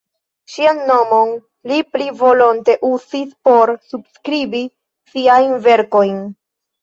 Ŝian nomon li pli volonte uzis por subskribi siajn verkojn.